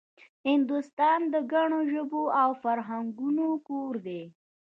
هندوستان د ګڼو ژبو او فرهنګونو کور دی